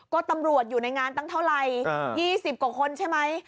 ก็ตำรวจอยู่ในงานตั้งเท่าไร๒๐กว่าคนใช่ไหม